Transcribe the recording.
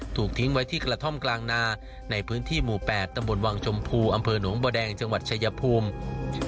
ถูกทิ้งไว้ที่กระท่อมกลางนาในพื้นที่หมู่๘ตำบลวังชมพูอำเภอหนองบัวแดงจังหวัดชายภูมิ